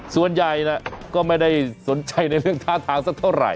ส่วนใหญ่ก็ไม่ได้สนใจในเรื่องท่าทางสักเท่าไหร